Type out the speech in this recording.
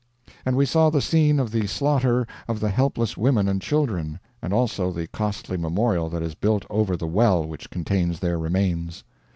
And we saw the scene of the slaughter of the helpless women and children, and also the costly memorial that is built over the well which contains their remains.